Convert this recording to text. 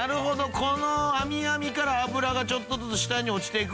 このアミアミから脂がちょっとずつ下に落ちていくんや。